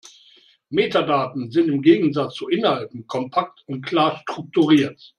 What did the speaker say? Metadaten sind im Gegensatz zu Inhalten kompakt und klar strukturiert.